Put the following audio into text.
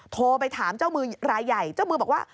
โทรไปถามเจ้ามือรายใหญ่เจ้ามือบอกว่า